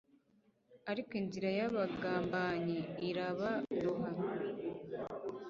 ariko inzira y’abagambanyi irabaroha